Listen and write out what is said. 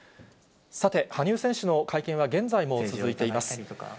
さて、羽生選手の会見は、現在も続いています。